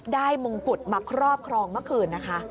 มงกุฎมาครอบครองเมื่อคืนนะคะ